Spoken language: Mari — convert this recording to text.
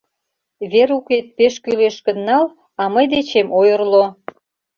Верукет пеш кӱлеш гын, нал, а мый дечем ойырло!